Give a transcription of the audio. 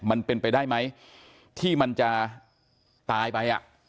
มันเป็นไปได้ไหมที่มันจะตายไปอ่ะ